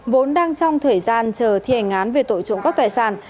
vốn đang trong thời gian chờ thi hành án về tội trộm cắp tài sản